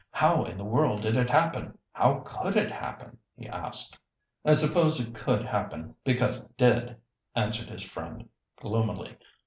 How in the world did it happen—how could it happen?" he asked. "I suppose it could happen, because it did," answered his friend gloomily.